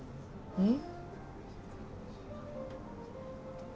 うん。